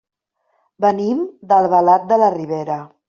Venim d'Albalat de la Ribera.